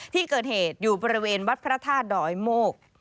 ที่เกิดเหตุอยู่บริเวณวัดพระธาตุดอยโมก